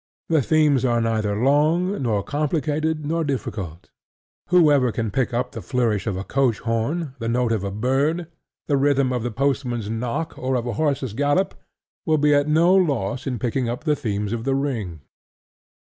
The themes are neither long, nor complicated, nor difficult. Whoever can pick up the flourish of a coach horn, the note of a bird, the rhythm of the postman's knock or of a horse's gallop, will be at no loss in picking up the themes of The Ring.